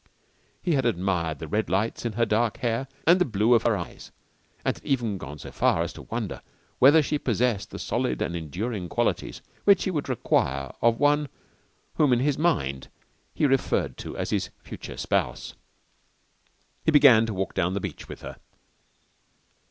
He had admired the red lights in her dark hair and the blue of her eyes, and had even gone so far as to wonder whether she possessed the solid and enduring qualities which he would require of one whom in his mind he referred to as his "future spouse." He began to walk down the beach with her.